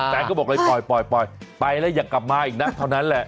แฟนก็บอกเลยปล่อยไปแล้วอย่ากลับมาอีกนะเท่านั้นแหละ